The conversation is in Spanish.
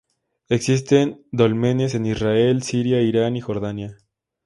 Existen dólmenes en Israel, Siria, Irán y Jordania.